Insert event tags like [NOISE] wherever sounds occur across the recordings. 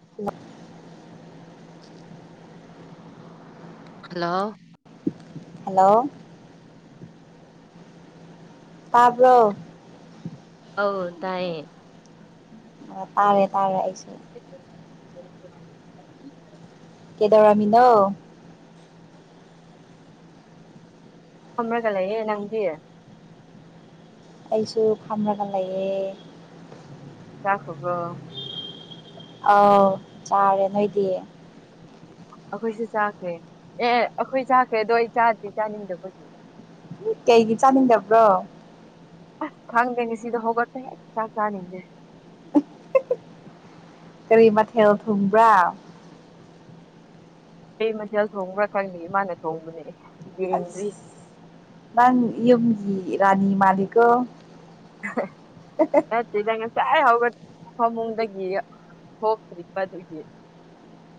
[UNINTELLIGIBLE] hello hello ꯇꯥꯕ꯭ꯔꯣ ꯑꯧ ꯇꯥꯢꯌꯦ ꯑ ꯇꯥꯔꯦ ꯇꯥꯔꯦ ꯑꯩꯁꯨ [UNINTELLIGIBLE] ꯀꯩꯗꯧꯔꯝꯃꯤꯅꯣ ꯐꯝꯔꯒ ꯂꯩꯔꯦ ꯅꯪꯗꯤ ꯑꯩꯁꯨ ꯐꯝꯔꯒ ꯂꯩꯌꯦ ꯆꯥꯈ꯭ꯔꯥꯕꯣ ꯑꯥꯎ ꯆꯥꯔꯦ ꯅꯣꯏꯗꯤ ꯑꯩꯈꯣꯏꯁꯨ ꯆꯥꯈ꯭ꯔꯦ ꯑꯦ ꯑꯩꯈꯣꯏ ꯆꯥꯈ꯭ꯔꯦ ꯑꯗꯣ ꯑꯩ ꯆꯥꯗ꯭ꯔꯤ ꯆꯥꯅꯤꯡꯗꯕꯒꯤ ꯀꯩꯒꯤ ꯆꯥꯅꯤꯡꯗꯕ꯭ꯔꯣ ꯈꯪꯗꯦꯅꯦ ꯉꯁꯤꯗꯣ ꯍꯧꯒꯠꯄ ꯍꯦꯛ ꯆꯥꯛ ꯆꯥꯅꯤꯡꯗꯦ ꯀꯔꯤ ꯃꯊꯦꯜ ꯊꯨꯝꯕ꯭ꯔꯥ ꯀꯩ ꯃꯊꯦꯜ ꯊꯣꯡꯕ꯭ꯔꯥ ꯈꯪꯗ꯭ꯔꯤ ꯏꯃꯥꯅ ꯊꯣꯡꯕꯅꯦ ꯑꯁ ꯌꯦꯡꯗ꯭ꯔꯤ ꯅꯪ ꯌꯨꯝꯒꯤ ꯔꯥꯅꯤ ꯃꯥꯟꯂꯤꯀꯣ ꯅꯠꯇꯦꯗ ꯉ ꯆꯥꯏ ꯍꯧꯒꯠ ꯐꯃꯨꯡꯗꯒꯤ ꯊꯣꯛꯇ꯭ꯔꯤꯕ ꯑꯗꯨꯒꯤ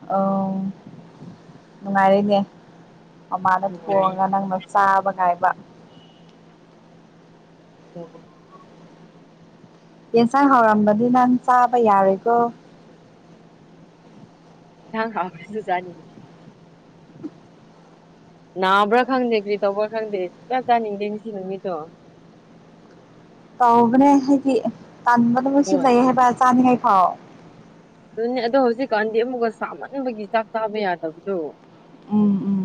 ꯑꯧ ꯅꯨꯡꯉꯥꯏꯔꯦꯅꯦ ꯃꯥꯃꯥꯅ ꯅꯨꯡꯉꯥꯏ ꯊꯣꯡꯉꯒ ꯅꯪꯅ ꯆꯥꯕ ꯉꯥꯏꯕ [UNINTELLIGIBLE] ꯌꯦꯟꯁꯥꯡ ꯍꯥꯎꯔꯝꯕꯗꯤ ꯅꯪ ꯆꯥꯕ ꯌꯥꯔꯣꯏꯀꯣ ꯌꯦꯟꯖꯥꯡ ꯍꯧꯈꯔꯁꯨ ꯆꯅꯤꯡꯗꯦ ꯅꯥꯕ꯭ꯔꯥ ꯈꯪꯗꯦ ꯀ꯭ꯔꯤ ꯇꯧꯕ꯭ꯔꯥ ꯈꯪꯗꯦ ꯁꯨ ꯆꯥ ꯆꯥꯅꯤꯗꯦ ꯉꯁꯤ ꯅꯨꯃꯤꯠꯇꯣ [INAUDIBLE] ꯇꯧꯕꯅꯦ ꯍꯥꯏꯗꯤ ꯇꯟꯕꯅ ꯃꯩꯁꯨ ꯍꯣꯏ ꯂꯩ ꯍꯥꯏꯕ ꯆꯥꯅꯤꯡꯉꯥꯏꯈꯧ ꯑꯗꯨꯅꯦ ꯑꯗꯣ ꯍꯧꯖꯤꯛꯀꯥꯟꯗꯤ ꯑꯃꯨꯛꯀ ꯁꯥꯃꯟꯕꯒꯤ ꯆꯥꯛ ꯆꯥꯕ ꯌꯥꯗꯕꯗꯣ ꯎꯝ ꯎꯝ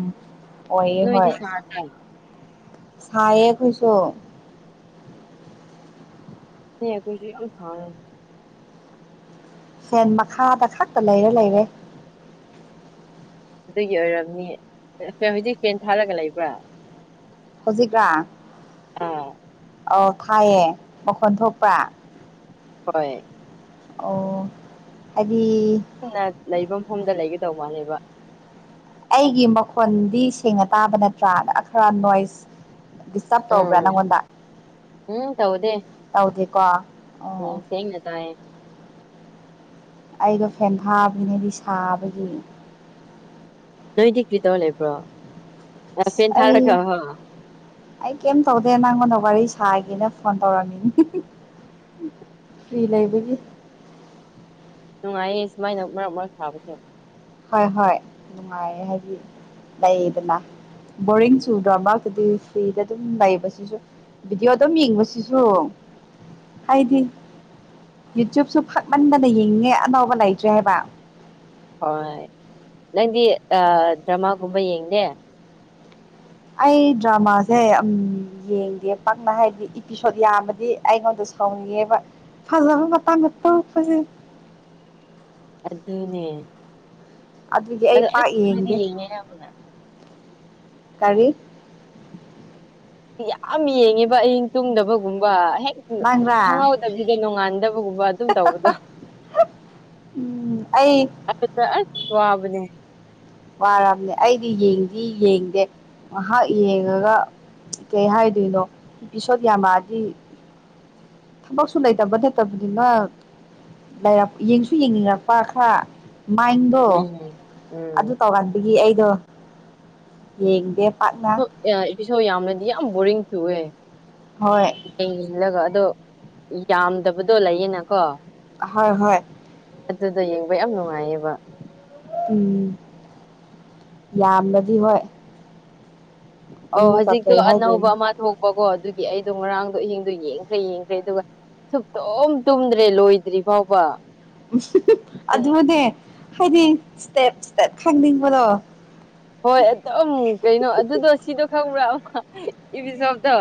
ꯑꯣ ꯌꯦ ꯅꯣꯏꯗꯤ ꯍꯣꯏ ꯁꯥꯗ꯭ꯔꯥ ꯁꯥꯏꯌꯦ ꯈꯣꯏꯁꯨ ꯁꯤ ꯑꯩꯈꯣꯏꯁꯨ ꯌꯥꯝ ꯁꯔꯦ ꯐꯦꯟ ꯃꯈꯥꯗ ꯈꯛꯇ ꯂꯩꯔ ꯂꯩꯔꯦ ꯑꯗꯨꯒꯤ ꯑꯣꯏꯔꯝꯅꯤ ꯐꯦꯟ ꯍꯧꯖꯤꯛ ꯐꯦꯟ ꯊꯥꯔꯒ ꯂꯩꯕ꯭ꯔꯥ ꯍꯧꯖꯤꯛꯔ ꯑꯥ ꯑꯧ ꯊꯥꯏꯌꯦ ꯃꯈꯣꯟ ꯊꯣꯛꯄ꯭ꯔ ꯍꯣꯏ ꯑꯣ ꯑꯩ ꯅꯪꯅ ꯂꯩꯕ ꯃꯐꯝꯗ ꯂꯩꯒꯦ ꯇꯧꯕꯅꯦꯕ ꯑꯩꯒꯤ ꯃꯈꯣꯟꯗꯤ ꯁꯦꯡꯅ ꯇꯥꯕ ꯅꯠꯇ꯭ꯔꯥ ꯈꯥꯔ ꯅꯣꯏꯁ ꯗꯤꯁꯇꯞ ꯇꯧꯕ꯭ꯔꯥ ꯎꯝ ꯅꯪꯉꯣꯟꯗ ꯎꯝ ꯇꯧꯗꯦ ꯇꯧꯗꯦꯀꯣ ꯑꯣ ꯑꯣ ꯎꯝ ꯁꯦꯡꯅ ꯇꯥꯏꯌꯦ ꯑꯩꯗꯣ ꯐꯦꯟꯊꯥꯕꯅꯦꯗꯤ ꯁꯥꯕꯒꯤ ꯅꯣꯏꯗꯤ ꯀꯩꯇꯧꯔ ꯂꯩꯕ꯭ꯔꯣ ꯑꯥ ꯐꯦꯟ ꯑꯩ ꯊꯥꯔꯒ ꯍꯣ ꯑꯩ ꯀꯩꯝ ꯇꯧꯗꯦ ꯅꯪꯉꯣꯟꯗ ꯋꯥꯔꯤ ꯁꯥ ꯁꯥꯒꯦꯅ ꯐꯣꯟ ꯇꯧꯔꯝꯃꯤꯅꯤ ꯐꯔꯤ ꯂꯩꯕꯒꯤ ꯅꯨꯡꯉꯥꯏꯌꯦ ꯁꯨꯃꯥꯏꯅ ꯃꯔꯛ ꯃꯔꯛ ꯁꯥꯕꯗꯣ ꯍꯣꯏ ꯍꯣꯏ ꯅꯨꯡꯉꯥꯏꯌꯦ ꯍꯥꯏꯗꯤ ꯂꯩꯗꯅ ꯕꯣꯔꯤꯡ ꯎꯝ ꯆꯨꯗ꯭ꯔꯣ ꯃꯥꯒꯤꯗꯤ ꯐꯔꯤꯗ ꯑꯗꯨꯝ ꯂꯩꯕꯁꯤꯁꯨ ꯚꯤꯗꯤꯑꯣ ꯑꯗꯨꯝ ꯌꯦꯡꯕꯁꯤꯁꯨ ꯍꯥꯏꯗꯤ ꯌꯨꯇꯨꯞꯁꯨ ꯐꯠꯃꯟꯗꯅ ꯌꯦꯡꯉꯦ ꯑꯅꯧꯕ ꯂꯩꯇ꯭ꯔꯦ ꯍꯥꯏꯕ ꯍꯣꯏ ꯅꯪꯗꯤ ꯑꯥ ꯗ꯭ꯔꯃꯥ ꯒꯨꯝꯕ ꯌꯦꯡꯗꯦ ꯑꯩ ꯗ꯭ꯔꯃꯥꯁꯦ ꯎꯝ ꯌꯦꯡꯗꯦ ꯄꯥꯛꯅ ꯍꯥꯏꯗꯤ ꯏꯄꯤꯁꯣꯠ ꯌꯥꯝꯃꯗꯤ ꯑꯩꯉꯣꯟꯗꯁꯨ ꯁꯥꯎꯅꯤꯡꯉꯦꯕ ꯐꯖꯕ ꯃꯇꯥꯡ ꯃꯇꯥꯡꯗ ꯀꯥꯞꯄꯖꯦ ꯑꯗꯨꯅꯦ ꯑꯗꯨꯒꯤ ꯑꯩ ꯑꯗꯣ ꯄꯥꯛ ꯍꯥꯏꯗꯤ ꯌꯦꯡꯗꯦ ꯌꯦꯉꯦꯅ ꯄꯨꯜꯂꯞ ꯀꯔꯤ ꯌꯥꯝ ꯌꯦꯡꯉꯦꯕ ꯑꯌꯤꯡ ꯇꯨꯝꯗꯕꯒꯨꯝꯕ ꯍꯦꯛ ꯅꯪꯔꯥ ꯈꯪꯍꯥꯎꯗꯕꯤꯗ ꯅꯣꯡꯉꯥꯟꯗꯣ ꯗꯨꯒꯨꯝꯕ ꯑꯗꯨꯝ ꯇꯧꯕꯗꯣ ꯎꯝ ꯑꯩ ꯑꯗꯨꯗ ꯑꯁ ꯋꯥꯕꯅꯦ ꯋꯥꯔꯝꯅꯦ ꯑꯩꯗꯤ ꯌꯦꯡꯗꯤ ꯌꯦꯡꯗꯦ ꯉꯥꯏꯍꯥꯛ ꯌꯦꯡꯉꯒ ꯀꯩ ꯍꯥꯏꯗꯣꯏꯅꯣ ꯏꯄꯤꯁꯣꯠ ꯌꯥꯝꯃꯛꯑꯗꯤ ꯊꯕꯛ ꯁꯨ ꯂꯩ ꯇꯕ ꯅꯠꯇꯕ ꯅꯤꯅ ꯂꯩꯔꯞ ꯌꯦꯡꯁꯨ ꯌꯦꯡꯅꯤꯡꯉꯛꯄ ꯈꯥꯔ ꯃꯥꯏꯟꯗꯣ ꯎꯝ ꯑꯗꯨ ꯎꯝ ꯇꯧꯍꯟꯕꯒꯤ ꯑꯩꯗꯣ ꯌꯦꯡꯗꯦ ꯄꯥꯛꯅ ꯏꯄꯤꯁꯣꯠ ꯌꯥꯝꯔꯗꯤ ꯌꯥꯝ ꯕꯣꯔꯤꯡ ꯆꯨꯏꯑꯦ ꯍꯣꯏ ꯌꯦꯡꯁꯤꯜꯂꯒ ꯑꯗꯣ ꯌꯥꯝꯗꯕꯗꯣ ꯂꯩꯌꯦꯅꯀꯣ ꯍꯣꯏ ꯍꯣꯏ ꯑꯗꯨꯗꯣ ꯌꯦꯡꯕ ꯌꯥꯝ ꯅꯨꯡꯉꯥꯏꯌꯦꯕ ꯎꯝ ꯌꯥꯝꯂꯗꯤ ꯍꯣꯏ ꯑꯣ ꯑꯃꯨꯛꯀ ꯍꯧꯖꯤꯛꯇꯣ ꯀꯩ ꯑꯅꯧꯕ ꯍꯥꯏꯗꯣꯏꯅꯣ ꯑꯃ ꯊꯣꯛ ꯄꯀꯣ ꯑꯗꯨꯒꯤ ꯑꯩꯗꯣ ꯉꯔꯥꯡꯗꯣ ꯑꯍꯤꯡꯗꯣ ꯌꯦꯡꯈ꯭ꯔꯦ ꯌꯦꯡꯈ꯭ꯔꯦ ꯑꯗꯨꯒ ꯁꯨꯛꯇꯨꯝ ꯇꯨꯝꯗ꯭ꯔꯦ ꯂꯣꯏꯗ꯭ꯔꯤ ꯐꯥꯎꯕ ꯑꯦ, ꯑꯗꯨꯅꯦ ꯍꯥꯏꯗꯤ ꯁ꯭ꯇꯦꯞ ꯁ꯭ꯇꯦꯞ ꯈꯪꯅꯤꯡꯕꯗꯣ ꯍꯣꯏ ꯑꯗꯨꯝ ꯀꯩꯅꯣ ꯑꯗꯨꯗꯣ ꯁꯤꯗꯣ ꯈꯪꯕ꯭ꯔ ꯏꯄꯤꯁꯣꯞꯇꯣ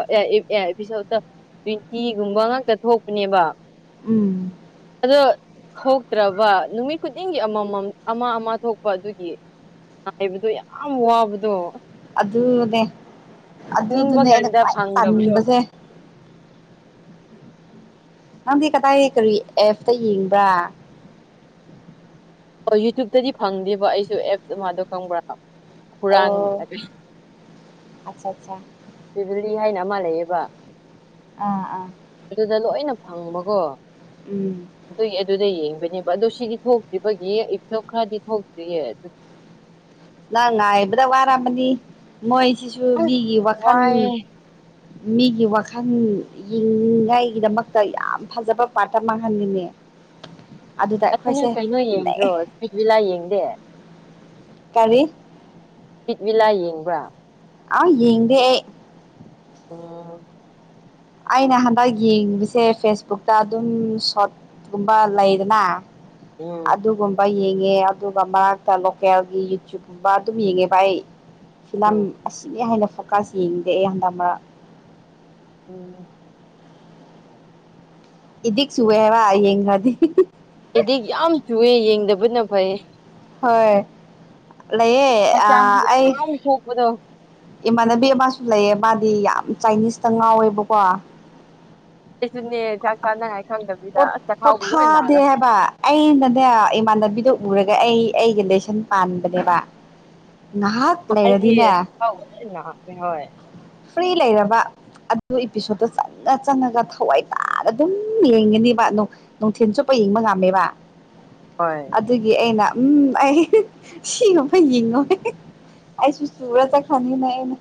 ꯏꯄꯤꯁꯣꯠꯇꯣ ꯇ꯭ꯋꯦꯟꯇꯤꯒꯨꯝꯕ ꯉꯥꯛꯇ ꯊꯣꯛꯄꯅꯦꯕ ꯎꯝ ꯑꯗꯣ ꯊꯣꯛꯇ꯭ꯔꯕ ꯅꯨꯃꯤꯠ ꯈꯨꯗꯤꯡꯒꯤ ꯑꯃꯃꯝ ꯑꯃ ꯑꯃ ꯊꯣꯛꯄ ꯑꯗꯨꯒꯤ ꯉꯥꯏꯕꯗꯣ ꯌꯥꯝ ꯋꯥꯕꯗꯣ ꯗꯨ ꯅꯦ ꯑꯗꯨ ꯅꯤꯡꯕ ꯗꯨꯅꯦ ꯑꯩꯅ ꯀꯥꯟꯗ ꯈ꯭ꯋꯥꯏ ꯐꯪꯗꯕꯗꯣ ꯇꯟꯕꯖꯦ ꯅꯪꯗꯤ ꯀꯗꯥꯏ ꯀꯔꯤ ꯑꯦꯞ ꯌꯦꯡꯕ꯭ꯔꯥ ꯑꯣ ꯌꯨꯇ꯭ꯌꯨꯕꯇꯗꯤ ꯐꯪꯗꯦꯕ ꯑꯩꯁꯨ ꯑꯦꯞ ꯑꯃꯥꯗꯣ ꯈꯪꯕ꯭ꯔꯥ ꯍꯨꯔꯥꯟ ꯑꯣ ꯑꯠꯆꯥ ꯑꯠꯆꯥ [UNINTELLIGIBLE] [UNINTELLIGIBLE] ꯍꯥꯏꯅ ꯑꯃ ꯂꯩꯌꯦꯕ ꯑꯥ ꯑꯥ ꯑꯗꯨꯗ ꯂꯣꯏꯅ ꯐꯪꯕꯀꯣ ꯎꯝ ꯑꯗꯨꯒꯤ ꯑꯗꯨꯗ ꯩ ꯌꯦꯡꯕꯅꯦꯕ ꯑꯗꯣ ꯁꯤꯗꯤ ꯊꯣꯛꯇ ꯈꯣꯏꯒꯤ ꯏꯄꯤꯁꯣꯠ ꯈꯔꯗꯤ ꯊꯣꯛꯇ꯭ꯔꯤꯌꯦ ꯑꯗꯨ ꯅꯪ ꯉꯥꯏꯕꯗ ꯋꯥꯔꯝꯃꯅꯤ ꯃꯣꯏꯁꯤꯁꯨ ꯑꯁ ꯃꯤꯒꯤ ꯋꯥꯈꯜ ꯋꯥꯏꯌꯦ ꯃꯤꯒꯤ ꯋꯥꯈꯜ ꯌꯦꯡꯅꯤꯉꯥꯏꯒꯤꯗꯃꯛꯇ ꯌꯥꯝ ꯐꯖꯕ ꯄꯥꯔꯠ ꯑꯃ ꯃꯥꯡꯍꯟꯅꯤꯡꯉꯦ [INAUDIBLE] ꯑꯗꯨꯅꯦ ꯀꯩꯅꯣ ꯌꯦꯡꯗ꯭ꯔꯣ [UNINTELLIGIBLE] ꯕꯤꯂꯥ ꯌꯦꯡꯗꯦ ꯀꯔꯤ ꯏꯁꯄꯤꯠꯚꯤꯂꯥ ꯌꯦꯡꯕ꯭ꯔꯥ ꯑ ꯥ ꯌꯦꯡꯗꯦ ꯑꯩ ꯑꯣ ꯑꯩꯅ ꯍꯟꯗꯛ ꯌꯦꯡꯕꯁꯦ ꯐꯦꯁꯕꯨꯛꯇ ꯑꯗꯨꯝ ꯁꯣꯔꯠꯀꯨꯝꯕ ꯂꯩꯗꯅ ꯎꯝ ꯑꯗꯨꯒꯨꯝꯕ ꯌꯦꯡ ꯉꯦ ꯑꯗꯨꯒ ꯃꯔꯛꯇ ꯂꯣꯀꯦꯜꯒꯤ ꯌꯨꯇ꯭ꯌꯨꯕꯀꯨꯝꯕ ꯑꯗꯨꯝ ꯌꯦꯡꯉꯦꯕ ꯑꯩ ꯐꯤꯂꯝ ꯎꯝ ꯑꯁꯤꯅꯤ ꯍꯥꯏꯅ ꯐꯣꯀꯁ ꯌꯦꯡꯗꯦ ꯑꯩ ꯍꯟꯗꯛ ꯃꯔꯛ ꯎꯝ ꯏꯗꯤꯛ ꯆꯨꯏꯌꯦ ꯍꯥꯏꯕ ꯌꯦꯡꯉꯗꯤ ꯑꯦꯗꯤꯛ ꯌꯥꯝ ꯆꯨꯏꯌꯦ ꯌꯦꯡꯗꯕꯅ ꯐꯩ ꯍꯣꯏ ꯂꯩꯌꯦ ꯑꯥ ꯍꯛꯆꯥꯡꯁꯨ ꯑꯩ ꯌꯥꯝ ꯁꯣꯛꯄꯗꯣ ꯏꯃꯥꯟꯅꯕꯤ ꯑꯃꯁꯨ ꯂꯩꯌꯦ ꯃꯥꯗꯤ ꯌꯥꯝ ꯆꯥꯏꯅꯤꯁꯇ ꯉꯥꯎꯋꯦꯕꯀꯣ ꯑꯩꯁꯨꯅꯦ ꯆꯥꯛ ꯆꯥꯟꯅ ꯄꯣꯠ ꯄꯣꯠꯊꯥꯗꯦ ꯍꯥꯏꯕ ꯑꯩꯅꯅꯦ ꯏꯃꯥꯟꯅꯕꯤꯗꯨ ꯎꯔꯒ ꯑꯩ ꯑꯩꯒ ꯂꯦꯁꯟ ꯄꯥꯟꯕꯅꯦꯕ ꯅꯍꯥꯛ ꯑꯩꯗꯤ ꯂꯩꯔꯗꯤꯅꯦ ꯆꯈꯥꯎ ꯂꯣꯏ ꯅꯥꯈ꯭ꯔꯦ ꯍꯣꯏ ꯐ꯭ꯔꯤ ꯂꯩꯔꯕ ꯑꯗꯨ ꯏꯄꯤꯁꯣꯠꯇꯣ ꯆꯪꯉ ꯆꯪꯉꯒ ꯊꯋꯥꯏ ꯇꯥꯅ ꯑꯗꯨꯝ ꯌꯦꯡ ꯌꯦꯡꯒꯅꯤꯕ ꯅꯨꯡꯊꯤꯜ ꯆꯨꯞꯄ ꯌꯦꯡꯕ ꯉꯝꯃꯦꯕ ꯍꯣꯏ ꯑꯗꯨꯒꯤ ꯑꯩꯅ ꯎꯝ ꯑꯩ ꯁꯤ ꯒꯨꯝꯕ ꯌꯦꯡꯉꯣꯏ ꯑꯩꯁꯨ [UNINTELLIGIBLE] ꯈꯪꯉꯤꯅꯦ ꯑꯩꯅ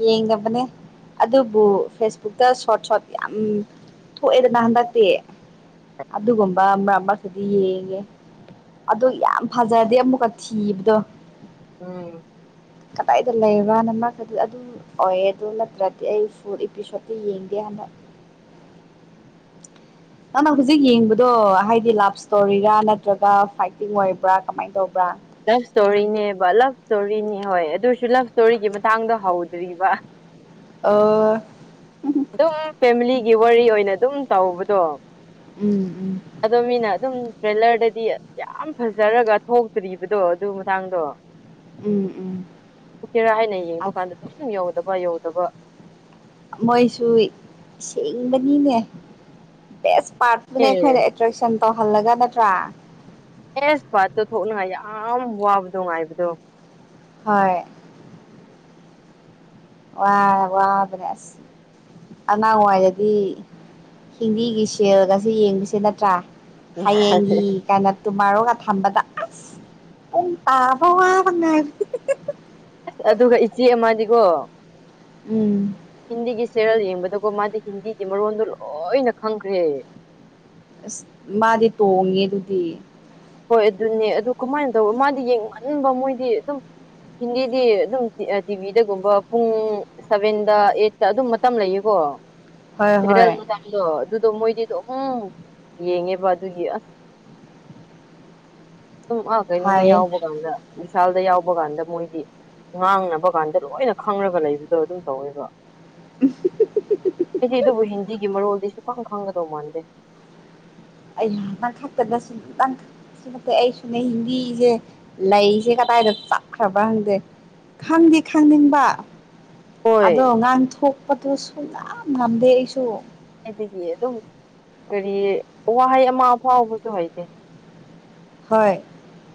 ꯌꯦꯡꯗꯕꯅꯦ ꯑꯗꯨꯕꯨ ꯐꯦꯁꯕꯨꯛꯇ ꯁꯣꯔꯠ ꯁꯣꯔꯠ ꯌꯥꯝ ꯊꯣꯛꯑꯦꯗꯅ ꯍꯟꯗꯛꯇꯤ ꯑꯗꯨꯒꯨꯝꯕ ꯃꯔꯛ ꯃꯔꯛꯇꯗꯤ ꯌꯦꯡꯉꯦ ꯑꯗꯨ ꯌꯥꯝ ꯐꯖꯔꯗꯤ ꯑꯃꯨꯛꯀ ꯊꯤꯕꯗꯣ ꯎꯝ ꯀꯗꯥꯏꯗ ꯂꯩꯕ꯭ꯔꯅ ꯃ꯭ꯔꯛꯇꯗꯤ ꯑꯗꯨꯝ ꯑꯣꯏꯌꯦ ꯑꯗꯨ ꯅꯠꯇ꯭ꯔꯗꯤ ꯑꯩ ꯐꯨꯜ ꯏꯄꯤꯁꯣꯠꯇ ꯌꯦꯡꯗꯦ ꯍꯟꯗꯛ [UNINTELLIGIBLE] ꯅꯪꯅ ꯍꯧꯖꯤꯛ ꯌꯦꯡꯕꯗꯨ ꯍꯥꯏꯗꯤ ꯂꯥꯐ ꯁ꯭ꯇꯣꯔꯤꯔꯥ ꯅꯠꯇ꯭ꯔꯥꯒ ꯐꯥꯏꯇꯤꯡ ꯑꯣꯏꯕ꯭ꯔꯥ ꯀꯃꯥꯏ ꯇꯧꯕ꯭ꯔꯥ ꯂꯐ ꯁ꯭ꯇꯣꯔꯤꯅꯦꯕ ꯂꯐ ꯁ꯭ꯇꯣꯔꯤꯅꯦ ꯍꯣꯏ ꯑꯗꯨꯏꯁꯨ ꯂꯐ ꯁ꯭ꯇꯣꯔꯤꯒꯤ ꯃꯇꯥꯡꯗ ꯍꯧꯗ꯭ꯔꯤꯕ [UNINTELLIGIBLE] ꯗꯨꯝ ꯐꯦꯃꯤꯂꯤꯒꯤ ꯋꯥꯔꯤ ꯑꯣꯏꯅ ꯗꯨꯝ ꯇꯧꯕꯗꯣ ꯎꯝ ꯎꯝ ꯑꯗꯣ ꯃꯤꯅ ꯑꯗꯨꯝ ꯇ꯭ꯔꯦꯂꯔꯗꯗꯤ ꯌꯥꯝ ꯐꯖꯔꯒ ꯊꯣꯛꯇ꯭ꯔꯤꯕꯗꯣ ꯑꯗꯨ ꯃꯇꯥꯡꯗꯣ ꯎꯝ ꯎꯝ ꯎꯠꯀꯦꯔꯥ ꯍꯥꯏꯅ ꯌꯦꯡꯕ ꯑꯁ ꯀꯥꯟꯗ ꯗꯨꯝ ꯌꯧꯗꯕ ꯌꯧꯗꯕ ꯃꯣꯏꯁꯨ ꯁꯤꯡꯕꯅꯤꯅꯦ ꯕꯦꯁ ꯄꯥꯔꯠꯇꯨꯅꯦ ꯑꯩꯈꯣꯏꯅ ꯑꯦ ꯑꯦꯇ꯭ꯔꯦꯛꯁꯟ ꯇꯧꯍꯜꯂꯒ ꯅꯠꯇ꯭ꯔꯥ ꯕꯦꯁ ꯄꯥꯔꯠꯇꯣ ꯊꯣꯛꯅꯤꯉꯥꯏ ꯌꯥꯝ ꯋꯥꯕꯗꯣ ꯉꯥꯏꯕꯗꯣ ꯍꯣꯏ ꯋꯥ ꯋꯥꯕꯅꯦ ꯑꯁ ꯑꯉꯥꯡꯋꯥꯏꯗꯗꯤ ꯍꯤꯟꯗꯤꯒꯤ ꯁꯦꯜꯒꯁꯦ ꯌꯦꯡꯕꯁꯦ ꯅꯠꯇ꯭ꯔꯥ ꯍꯌꯦꯡꯒꯤ ꯀꯥꯏꯅ ꯇꯨꯃꯔꯣ ꯊꯝꯕꯗ ꯑꯁ ꯄꯨꯡ ꯇꯥꯕ ꯋꯥꯕꯅ ꯍꯤ ꯍꯤ ꯍꯤ ꯍꯤ ꯑꯁ ꯑꯗꯨꯒ ꯏꯆꯦ ꯑꯃꯗꯤꯀꯣ ꯎꯝ ꯍꯤꯟꯗꯤꯒꯤ ꯁꯦꯔꯦꯜ ꯌꯦꯡꯕꯗꯀꯣ ꯃꯥꯗꯤ ꯍꯤꯟꯗꯤꯒꯤ ꯃꯔꯣꯟꯗꯣ ꯂꯣꯏꯅ ꯈꯪꯈ꯭ꯔꯦ ꯑꯁ ꯃꯥꯗꯤ ꯇꯣꯡꯉꯦ ꯑꯗꯨꯗꯤ ꯍꯣꯏ ꯑꯗꯨꯅꯦ ꯑꯗꯨ ꯀꯃꯥꯏꯅ ꯇꯧꯕ ꯃꯥꯗꯤ ꯌꯦꯡꯃꯟꯕ ꯃꯣꯏꯗꯤ ꯑꯗꯨꯝ ꯍꯤꯟꯗꯤꯗꯤ ꯑꯗꯨꯝ ꯇꯤ ꯚꯤꯗ ꯇꯤꯚꯤꯗꯒꯨꯝꯕ ꯄꯨꯡ ꯁꯚꯦꯟꯗ ꯑꯩꯠꯇ ꯑꯗꯨꯝ ꯃꯇꯝ ꯂꯩꯌꯦꯀꯣ ꯍꯣꯏ ꯁꯦꯔꯦꯜ ꯍꯣꯏ ꯃꯇꯝꯗꯣ ꯑꯗꯨ ꯑꯗꯣ ꯃꯣꯏꯗꯤꯗꯣ ꯑꯍꯨꯝ ꯌꯦꯡꯉꯦꯕ ꯑꯗꯨꯒꯤ ꯑꯁ ꯁꯨꯝ ꯑꯥ ꯀꯩꯅꯣꯗ ꯐꯌꯦ ꯌꯥꯎꯕ ꯀꯥꯟꯗ ꯃꯤꯁꯥꯜꯗ ꯌꯥꯎꯕ ꯀꯥꯟꯗ ꯃꯣꯏꯗꯤ ꯉꯥꯡꯅꯕ ꯀꯥꯟꯗ ꯂꯣꯏꯅ ꯈꯪꯔꯒ ꯂꯩꯕꯗꯣ ꯑꯗꯨꯝ ꯇꯧꯋꯦꯕ ꯑꯩꯗꯤ ꯑꯗꯨꯕꯨ ꯍꯤꯟꯗꯤꯒꯤ ꯃꯔꯣꯜꯗꯤ ꯁꯨꯈꯪ ꯈꯪꯒꯗꯧ ꯃꯥꯟꯗꯦ ꯑꯩ ꯍ ꯅꯪ ꯈꯛꯇꯁꯨ ꯅꯪ ꯈꯛꯇꯁꯨ ꯅꯠꯇꯦ ꯑꯩꯁꯨꯅꯦ ꯍꯤꯟꯗꯤꯁꯦ ꯂꯩꯒꯦꯔꯥ ꯀꯗꯥꯥꯏꯗ ꯆꯞꯈ꯭ꯔꯕ ꯍꯪꯗꯦ ꯈꯪꯗꯤ ꯈꯪꯅꯤꯡꯕ ꯍꯣꯏ ꯑꯗꯣ ꯉꯥꯡ ꯊꯣꯛꯄꯗꯨ ꯁꯨꯡ ꯉꯝ ꯉꯝꯗꯦ ꯑꯩꯁꯨ ꯀꯥꯢꯗꯒꯤ ꯑꯗꯨꯝ ꯀꯔꯤ ꯋꯥꯍꯩ ꯑꯃ ꯐꯥꯎꯕꯁꯨ ꯍꯩꯇꯦ ꯍꯣꯏ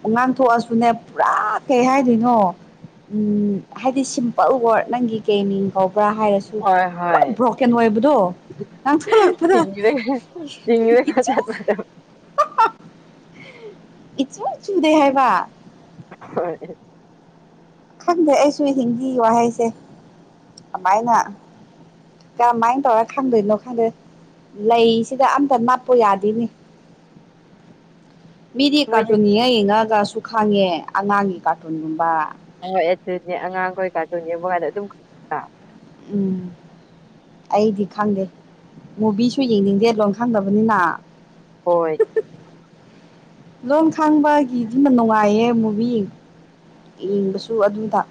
ꯎ ꯉꯥꯡ ꯊꯣꯛꯑꯁꯨꯅꯦ ꯄꯨꯔꯥ ꯀꯩ ꯍꯥꯏꯗꯣꯏꯅꯣ ꯎꯝ ꯍꯥꯏꯗꯤ ꯁꯤꯝꯄꯜ ꯋꯥꯔꯗ ꯅꯪꯒꯤ ꯀꯩ ꯃꯤꯡ ꯀꯧ ꯕ꯭ꯔ ꯍꯥꯏꯔꯁꯨ ꯍꯣꯏ ꯄꯨꯔꯥ ꯍꯣꯏ ꯕ꯭ꯔꯣꯀꯟ ꯑꯣꯏꯕꯗꯣ ꯉꯥꯡꯊꯣꯔꯛꯄꯗ ꯆꯤꯡꯔꯒ ꯢ ꯆꯤꯡꯔꯒ ꯢꯆꯨ ꯆꯠꯄ ꯍꯥ ꯍꯥ ꯏꯆꯨꯝ ꯆꯨꯝꯗꯦ ꯍꯥꯏꯕ ꯍꯣꯢ ꯈꯪꯗꯦ ꯑꯩꯁꯨ ꯍꯤꯟꯗꯤ ꯋꯥꯍꯩꯁꯦ ꯀꯃꯥꯏꯅ ꯀꯃꯥꯏ ꯇꯧꯔ ꯈꯪꯗꯣꯏꯅꯣ ꯈꯟꯗ꯭ꯔꯦ ꯂꯩꯁꯤꯗ ꯑꯝꯇ ꯅꯞꯄꯨ ꯌꯥꯗꯦꯅꯦ ꯃꯤꯗꯤ ꯃꯣꯏꯗꯤ ꯀꯥꯔꯇꯨꯟ ꯌꯦꯡꯉ ꯌꯦꯡꯉꯒꯁꯨ ꯈꯪꯉꯦ ꯑꯉꯥꯡꯒꯤ ꯀꯥꯔꯇꯨꯟꯒꯨꯝꯕ ꯍꯣꯏ ꯑꯗꯨꯅꯦ ꯑꯉꯥꯡꯈꯣꯏ ꯀꯥꯔꯇꯨꯟ ꯌꯦꯡꯕ ꯀꯥꯟꯗ ꯑꯗꯨꯝ ꯈꯪꯗ꯭ꯔꯥ ꯎꯝ ꯑꯩꯗꯤ ꯈꯪꯗꯦ ꯃꯨꯚꯤꯁꯨ ꯌꯦꯡꯅꯤꯡꯗꯦ ꯂꯣꯟ ꯈꯪꯗꯕꯅꯤꯅ ꯍꯣꯏ ꯂꯣꯟ ꯈꯪꯕꯒꯤꯗꯨꯅ ꯅꯨꯡꯉꯥꯏꯌꯦ ꯃꯨꯚꯤ ꯌꯦꯡꯕꯁꯨ ꯑꯗꯨꯝ ꯗꯥꯛ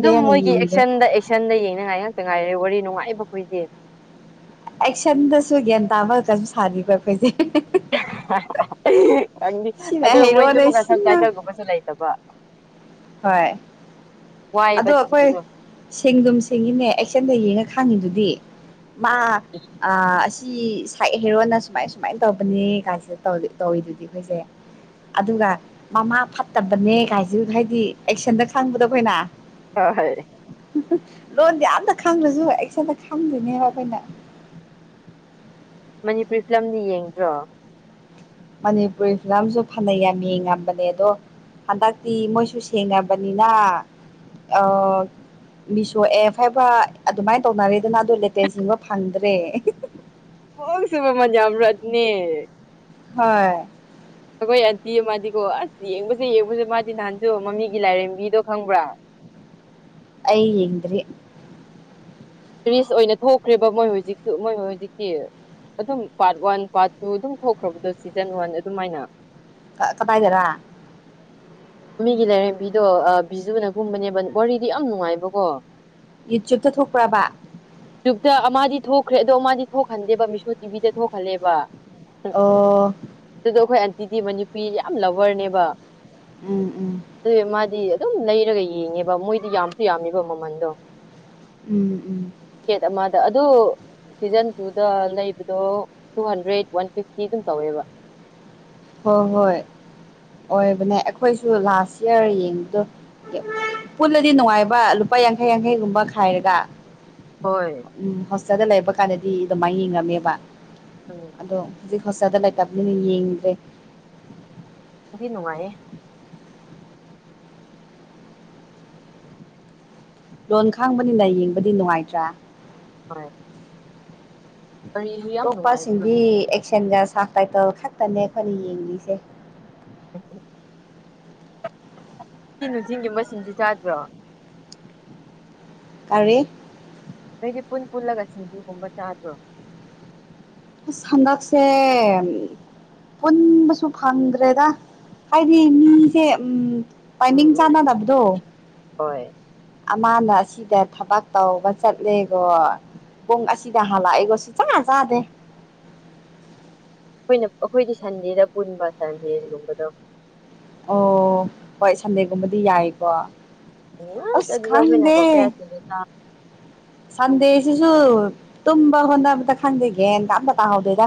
ꯑꯗꯨꯝ ꯃꯣꯏꯒꯤ ꯑꯦꯛꯁꯟꯗ ꯑꯦꯛꯁꯟꯗ ꯌꯦꯡꯅꯉꯥꯏ ꯉꯥꯛꯇ ꯉꯥꯏꯔꯦ ꯋꯥꯔꯤ ꯅꯨꯡꯉꯥꯏꯕ ꯑꯩꯈꯣꯏꯗꯤ ꯑꯦꯛꯁꯟꯗꯁꯨ ꯒ꯭ꯌꯥꯟ ꯇꯥꯕ ꯀꯁꯨ ꯁꯥꯔꯤꯕ ꯑꯩꯈꯣꯏꯗꯤ ꯍꯥꯍꯥꯍꯥ ꯈꯪꯅꯤ ꯁꯤꯅ ꯑꯗꯣ ꯃꯣꯏ ꯍꯩꯔꯣꯅꯦ ꯂꯒ ꯁꯞ ꯁꯤꯅ ꯇꯥꯏꯇꯜꯒꯨꯝꯕꯁꯨ ꯂꯩꯇꯕ ꯍꯣꯏ ꯋꯥꯏꯕ ꯑꯗꯣ ꯑꯩꯈꯣꯏ ꯊꯤꯕꯗꯣ ꯁꯦꯡꯗꯨꯨꯝ ꯁꯦꯡꯉꯤꯅꯦ ꯑꯦꯛꯁꯟꯗ ꯌꯦꯡꯉ ꯈꯡꯉꯤꯗꯨꯗꯤ ꯃꯥ ꯑ ꯁꯤ ꯁꯥꯏꯠ ꯍꯦꯔꯣꯅ ꯁꯨꯃꯥꯏ ꯁꯨꯃꯥꯏꯅ ꯇꯧꯕꯅꯦ ꯀꯥꯏꯁꯤꯗꯧ ꯇꯧꯋꯤꯗꯨꯗꯤ ꯑꯩꯈꯣꯏꯁꯦ ꯑꯗꯨꯒ ꯃꯃꯥ ꯐꯠꯇꯕꯅꯦ ꯀꯥꯏꯁꯤ ꯍꯥꯏꯗꯤ ꯑꯦꯛꯁꯟꯗ ꯈꯪꯕꯗꯣ ꯑꯩꯈꯣꯏꯅ ꯍꯣ ꯍꯣꯏ ꯂꯣꯟꯗꯤ ꯑꯝꯇ ꯈꯪꯗ꯭ꯔꯁꯨ ꯑꯦꯛꯁꯟꯗ ꯈꯪꯗꯣꯏꯅꯦꯕ ꯑꯩꯈꯣꯏꯅ ꯃꯅꯤꯄꯨꯔꯤ ꯐꯤꯂꯝꯗꯤ ꯌꯦꯡꯕ꯭ꯔꯣ ꯃꯅꯤꯄꯨꯔꯤ ꯐꯤꯂꯝꯁꯨ ꯐꯅ ꯌꯥꯝ ꯌꯦꯡꯉꯝꯕꯅꯦ ꯑꯗꯣ ꯍꯟꯗꯛꯇꯤ ꯃꯣꯏꯁꯨ ꯁꯦꯡꯅꯕꯅꯤꯅ ꯑ ꯃꯤꯁꯣ ꯑꯦꯞ ꯍꯥꯏꯕ ꯑꯗꯨꯃꯥꯏꯅ ꯇꯧꯅꯔꯦꯗꯅ ꯑꯗꯣ ꯂꯦꯇꯦꯁ ꯌꯦꯡꯕ ꯐꯪꯗ꯭ꯔꯦ ꯍꯣꯜꯁꯨ ꯃꯃꯜ ꯌꯥꯝꯕ꯭ꯔꯥ ꯑꯗꯨꯅꯦ ꯍꯣꯏ ꯑꯩꯈꯣꯏ ꯑꯟꯇꯤ ꯑꯃꯗꯤꯀꯣ ꯑꯁ ꯌꯦꯡꯕꯁꯦ ꯌꯦꯡꯕꯁꯦ ꯃꯥꯗꯤ ꯅꯍꯥꯟꯁꯨ ꯃꯃꯤꯒꯤ ꯂꯥꯏꯔꯦꯝꯕꯤꯗꯣ ꯈꯪꯕ꯭ꯔꯥ ꯑꯩ ꯌꯦꯡꯗꯔꯤ ꯇꯨꯔꯤꯁ ꯑꯣꯏꯅ ꯊꯣꯛꯈ꯭ꯔꯦꯕ ꯃꯣꯏ ꯍꯧꯖꯤꯛꯁꯨ ꯃꯣꯏ ꯍꯧꯖꯤꯛꯇꯤ ꯑꯗꯨꯝ ꯄꯥꯔꯠ ꯋꯥꯟ ꯄꯥꯔꯠ ꯇꯨ ꯑꯗꯨꯝ ꯊꯣꯛꯈ꯭ꯔꯕꯗꯣ ꯁꯤꯖꯟ ꯋꯥꯟ ꯑꯗꯨꯃꯥꯏꯅ ꯀꯗꯥꯏꯗꯔ ꯃꯤꯒꯤ ꯂꯥꯏꯔꯦꯝꯕꯤꯗꯣ ꯕꯤꯖꯨꯅꯀꯨꯝꯕꯅꯦꯕ ꯋꯥꯔꯤꯗꯤ ꯌꯥꯝ ꯅꯨꯡꯉꯥꯏꯕꯀꯣ ꯌꯨꯇ꯭ꯌꯨꯕꯇ ꯊꯣꯛꯄꯔꯕ ꯇ ꯃꯥꯗꯤ ꯊꯣꯛꯈ꯭ꯔꯦ ꯑꯗꯣ ꯃꯥꯗꯤ ꯊꯣꯛꯍꯟꯗꯦꯕ ꯃꯤꯁꯣ ꯇꯤꯚꯤꯗ ꯊꯣꯛꯍꯜꯂꯦꯕ ꯑꯣ ꯑꯗꯨꯗꯣ ꯑꯩꯈꯣꯏ ꯑꯟꯇꯤꯗꯤ ꯃꯅꯤꯄꯤꯔꯤ ꯌꯥꯝ ꯂꯕꯔꯅꯦꯕ ꯎꯝ ꯎꯝ ꯑꯗꯨ ꯃꯥꯗꯤ ꯑꯗꯨꯝ ꯂꯩꯔꯒ ꯌꯦꯡꯉꯦꯕ ꯃꯣꯏꯗꯤ ꯌꯥꯝꯁꯨ ꯌꯥꯝꯃꯤꯕ ꯃꯃꯜꯗꯣ ꯎꯝ ꯎꯝ ꯑꯗꯨ ꯁꯤꯖꯟ ꯇꯨꯗ ꯂꯩꯕꯗꯣ ꯇꯨ ꯍꯟꯗ꯭ꯔꯦꯠ ꯋꯥꯟ ꯐꯤꯐꯇꯤ ꯑꯗꯨꯝ ꯇꯧꯋꯦꯕ ꯍꯣꯏ ꯍꯣꯏ ꯑꯣꯏꯕꯅꯦ ꯑꯩꯈꯣꯏꯁꯨ ꯂꯥꯁ ꯏꯌꯥꯔ ꯌꯦꯡꯕꯗꯣ ꯄꯨꯜꯂꯗꯤ ꯅꯨꯡꯉꯥꯏꯕ ꯂꯨꯄꯥ ꯌꯥꯡꯈꯩ ꯌꯥꯡꯈꯩꯒꯨꯝꯕ ꯈꯥꯏꯔꯒ ꯍꯣꯏ ꯄꯩꯁꯥꯗꯣ ꯂꯩꯕ ꯀꯥꯟꯗꯗꯤ ꯑꯗꯨꯃꯥꯏꯅ ꯌꯦꯡꯉꯝꯃꯦꯕ ꯎꯝ ꯑꯗꯣ ꯍꯧꯖꯤꯛ ꯄꯩꯁꯥꯗꯣ ꯂꯩꯇꯕꯅꯤꯅ ꯌꯦꯡꯗ꯭ꯔꯦ ꯅꯨꯡꯗꯤ ꯅꯨꯡꯉꯥꯏꯌꯦ ꯂꯣꯟ ꯈꯡꯕꯅꯤꯅ ꯌꯦꯡꯕꯗꯤ ꯅꯨꯡꯉꯥꯏꯇ꯭ꯔꯥ ꯍꯣꯏ ꯋꯥꯔꯤꯁꯨ ꯌꯥꯝ ꯅꯨꯡꯉꯥꯏꯕꯗꯣ ꯑꯇꯣꯄꯁꯤꯡꯗꯤ ꯑꯦꯛꯁꯟꯒ ꯁꯞ ꯇꯥꯏꯇꯜ ꯈꯛꯇꯅꯦ ꯑꯩꯈꯣꯏꯅ ꯌꯦꯡꯂꯤꯁꯦ [INAUDIBLE] ꯁꯤ ꯅꯨꯡꯆꯤꯟꯒꯤ ꯃꯁꯤꯡꯁꯦ ꯆꯥꯗ꯭ꯔꯣ ꯀꯔꯤ ꯅꯣꯏꯗꯤ ꯄꯨꯟ ꯄꯨꯜꯂꯒ ꯁꯤꯡꯖꯨꯒꯨꯝꯕ ꯆꯥꯗ꯭ꯔꯣ ꯍꯟꯗꯛꯁꯦ ꯄꯨꯟꯕꯁꯨ ꯐꯪꯗ꯭ꯔꯦꯗ ꯍꯥꯏꯗꯤ ꯃꯤꯁꯦ ꯎꯝ ꯎꯝ ꯇꯥꯏꯃꯤꯡ ꯎꯝ ꯎꯝ ꯆꯥꯟꯅꯗꯕꯗꯣ ꯍꯣꯏ ꯑꯃꯅ ꯑꯁꯤꯗ ꯊꯕꯛ ꯇꯧꯕ ꯆꯠꯂꯦꯒꯣ ꯄꯨꯡ ꯑꯁꯤꯗ ꯍꯜꯂꯛꯏꯦꯒꯣ ꯁꯨꯛ ꯆꯥ ꯆꯥꯗꯦ ꯑꯩꯈꯣꯏꯅ ꯑꯩꯈꯣꯏꯗꯤ ꯁꯟꯗꯦꯗ ꯄꯨꯟꯕ ꯁꯟꯗꯦꯒꯨꯝꯕꯗꯣ ꯑꯣ ꯍꯣꯏ ꯁꯟꯗꯦꯒꯨꯝꯕꯗꯤ ꯌꯥꯏꯌꯦꯀꯣ ꯑꯁ ꯑꯗꯨꯗ ꯑꯩꯈꯣꯏꯅ ꯈꯪꯟꯗꯦ ꯄꯥꯄꯌꯥ ꯁꯤꯡꯖꯨ ꯆꯥ ꯁꯟꯗꯦꯁꯤꯁꯨ ꯇꯨꯝꯕ ꯍꯣꯠꯅꯕꯗ ꯈꯪꯗꯦꯗ ꯒꯤꯌꯥꯟꯒ ꯑꯃꯇ ꯇꯥ ꯍꯧꯗꯣꯏꯗ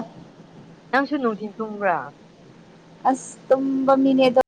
ꯅꯪꯁꯨ ꯅꯨꯡꯊꯤꯟ ꯇꯨꯝꯕ꯭ꯔꯥ ꯑꯁ ꯇ ꯃꯤꯅꯦꯗ